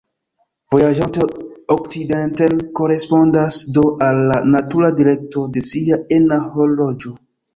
Vojaĝante okcidenten korespondas do al la natura direkto de sia ena horloĝo.